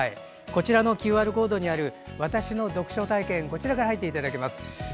こちらのＱＲコードにあるわたしの読書体験から入っていただけます。